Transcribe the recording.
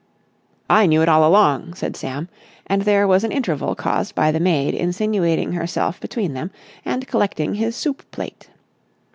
"I knew it all along," said Sam, and there was an interval caused by the maid insinuating herself between them and collecting his soup plate.